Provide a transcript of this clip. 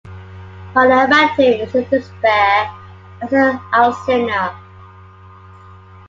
Bradamante is in despair, as is Alcina.